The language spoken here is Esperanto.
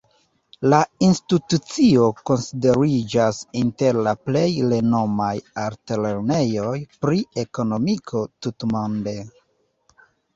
La institucio konsideriĝas inter la plej renomaj altlernejoj pri ekonomiko tutmonde.